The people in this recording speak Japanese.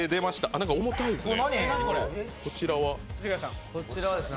何か重たいですね。